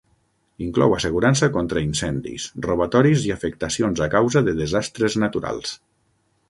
Inclou assegurança contra incendis, robatoris i afectacions a causa de desastres naturals.